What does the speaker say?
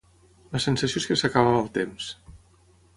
La sensació és que s'acabava el temps.